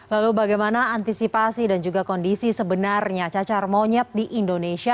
lalu bagaimana antisipasi dan juga kondisi sebenarnya cacar monyet di indonesia